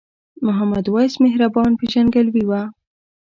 محمد وېس مهربان پیژندګلوي وه.